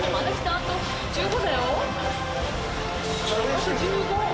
あと１５。